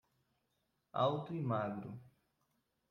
Alto e magro